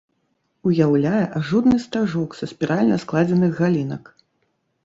Уяўляе ажурны стажок са спіральна складзеных галінак.